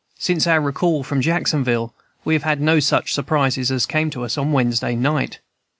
Since our recall from Jacksonville we have had no such surprises as came to us on Wednesday night.